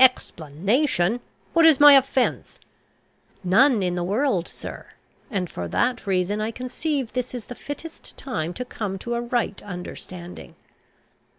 "Explanation! What is my offence?" "None in the world, sir; and for that reason I conceive this the fittest time to come to a right understanding."